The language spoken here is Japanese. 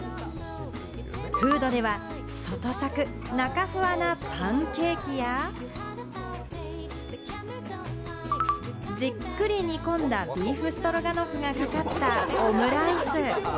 フードでは外サク、中ふわなパンケーキや、じっくり煮込んだビーフストロガノフがかかったオムライス。